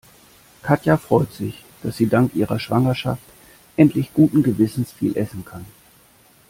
Katja freut sich, dass sie dank ihrer Schwangerschaft endlich guten Gewissens viel essen kann.